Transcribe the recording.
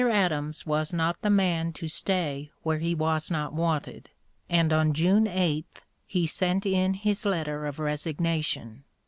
Adams was not the man to stay where he was not wanted, and on June 8 he sent in his letter of resignation.